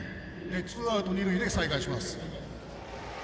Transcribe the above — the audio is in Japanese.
ツーアウト、二塁で再開します。